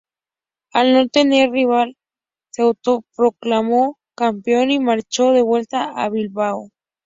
Al no tener rival se autoproclamó campeón y marchó de vuelta a Bilbao.